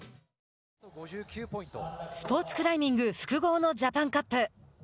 スポーツクライミング複合のジャパンカップ。